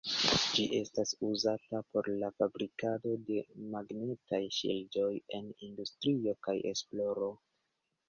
Ĝi estas uzata por la fabrikado de magnetaj ŝildoj en industrio kaj esploro.